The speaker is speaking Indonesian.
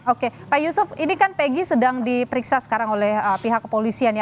oke pak yusuf ini kan pegg sedang diperiksa sekarang oleh pihak kepolisian ya